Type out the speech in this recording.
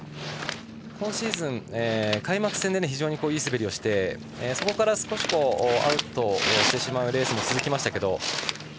今シーズン、開幕戦で非常にいい滑りをしてそこから少しアウトしてしまうレースも続きましたが。